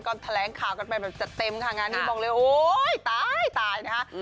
ก็แถลงข่าวกันไปแบบจัดเต็มค่ะงานนี้บอกเลยโอ๊ยตายตายนะคะ